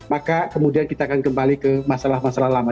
maka kemudian kita akan kembali ke masalah masalah lama